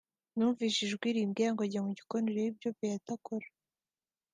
numvise ijwi rimbwira ngo jya mu gikoni urebe ibyo Beatha akora